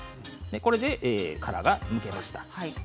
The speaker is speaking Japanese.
これで殻がむけました。